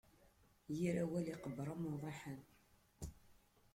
Yir awal iqebbeṛ am uḍiḥan.